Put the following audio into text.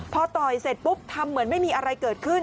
พอต่อยเสร็จปุ๊บทำเหมือนไม่มีอะไรเกิดขึ้น